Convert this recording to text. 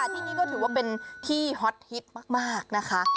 ที่นี่ก็ถือว่าเป็นที่ฮอตฮิตมากนะคะ